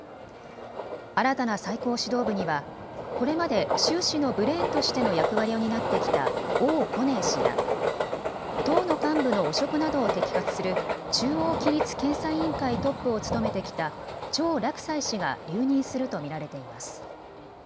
新たな最高指導部にはこれまで習氏のブレーンとしての役割を担ってきた王滬寧氏や党の幹部の汚職などを摘発する中央規律検査委員会トップを務めてきた趙楽際氏が留任すると見られています。